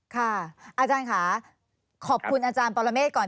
ค่ะอาจารย์ขอบคุณอาจารย์ปับละเมฆก่อน